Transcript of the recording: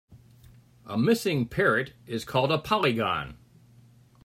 A missing parrot is called a polygon.